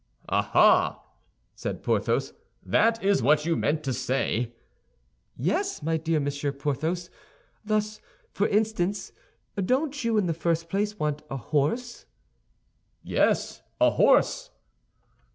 "Ah, ah!" said Porthos, "that is what you meant to say!" "Yes, dear Monsieur Porthos. Thus, for instance, don't you in the first place want a horse?" "Yes, a horse."